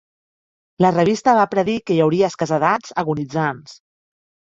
La revista va predir que hi hauria escassedats agonitzants.